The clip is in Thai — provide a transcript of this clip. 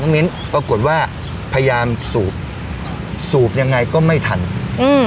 มิ้นปรากฏว่าพยายามสูบสูบยังไงก็ไม่ทันอืม